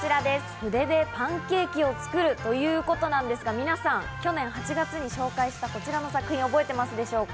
筆でパンケーキを作るということなんですが、皆さん、去年８月にご紹介したこちらの作品を覚えていますでしょうか？